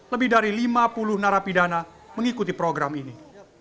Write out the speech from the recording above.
lebih dari lima puluh narapidana mengikuti program ini